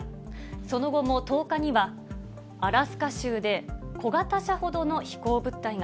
その後も１０日には、アラスカ州で小型車ほどの飛行物体が。